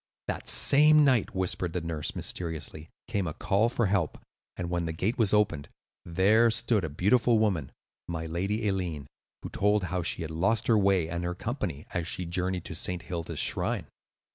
That same night," whispered the nurse, mysteriously, "came a call for help, and when the gate was opened, there stood a beautiful woman (my lady Eileen) who told how she had lost her way and her company as she journeyed to St. Hilda's shrine.